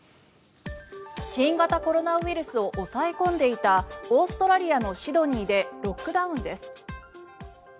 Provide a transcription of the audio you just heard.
新型コロナウイルスの抑え込んでいたオーストラリアのシドニーでロックダウンです。